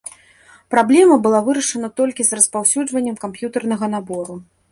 Праблема была вырашана толькі з распаўсюджваннем камп'ютэрнага набору.